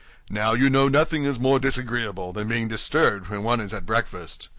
Now, you know nothing is more disagreeable than being disturbed when one is at breakfast.